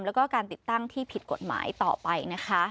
แล้วก็การติดตั้งที่ผิดกฎหมายต่อไปนะคะ